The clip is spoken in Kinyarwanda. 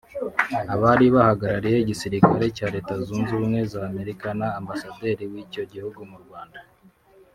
abari bahagarariye igisirikare cya Leta Zunze Ubumwe za Amerika na Ambasaderi w’icyo gihugu mu Rwanda